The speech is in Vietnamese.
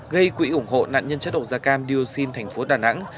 gây quỹ ủng hộ nạn nhân chất độc da cam điều xin thành phố đà nẵng